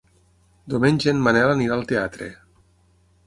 Diumenge en Manel anirà al teatre.